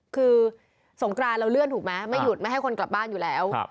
คือสงกรานเราเลื่อนถูกไหมไม่หยุดไม่ให้คนกลับบ้านอยู่แล้ว